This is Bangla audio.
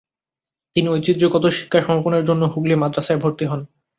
তিনি ঐতিহ্যগত শিক্ষা সমাপনের জন্য হুগলী মাদ্রাসায় ভর্তি হন।